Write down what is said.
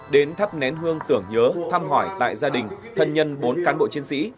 đến thắp nén hương tưởng nhớ thăm hỏi tại gia đình thân nhân bốn cán bộ chiến sĩ